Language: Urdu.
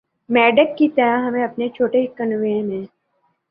مینڈک کی طرح ہمیں اپنے چھوٹے کنوئیں میں